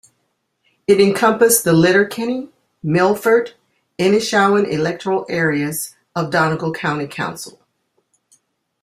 It encompassed the Letterkenny, Milford and Inishowen electoral areas of Donegal County Council.